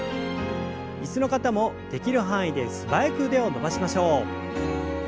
椅子の方もできる範囲で素早く腕を伸ばしましょう。